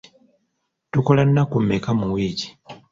Tukola nnaku mmeka mu wiiki?